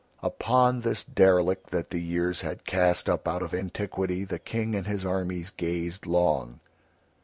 Upon this derelict that the years had cast up out of antiquity the King and his armies gazed long.